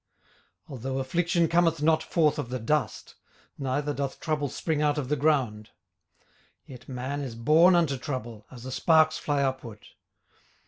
18:005:006 Although affliction cometh not forth of the dust, neither doth trouble spring out of the ground; 18:005:007 Yet man is born unto trouble, as the sparks fly upward.